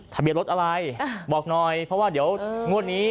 ทะเบียนรถอะไรบอกหน่อยเพราะว่าเดี๋ยวงวดนี้